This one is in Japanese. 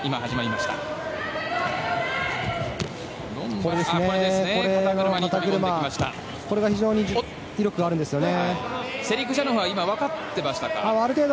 これが威力があるんですよね。